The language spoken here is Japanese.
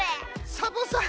サボさん。